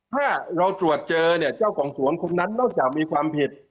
ถ้าเราตรวจเจอเนี่ยเจ้าของสวนคนนั้นนอกจากมีความผิด